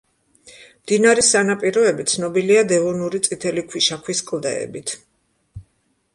მდინარის სანაპიროები ცნობილია დევონური წითელი ქვიშაქვის კლდეებით.